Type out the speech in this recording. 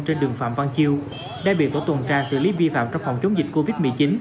trên đường phạm văn chiêu đại biệt của tuần tra xử lý vi phạm trong phòng chống dịch covid một mươi chín